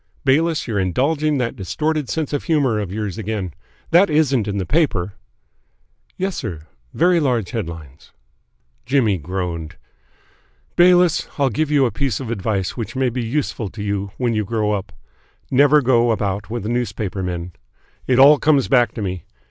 "Bayliss, you're indulging that distorted sense of humour of yours again. That isn't in the paper?" "Yes, sir. Very large headlines." Jimmy groaned. "Bayliss, I'll give you a piece of advice which may be useful to you when you grow up. Never go about with newspaper men. It all comes back to me.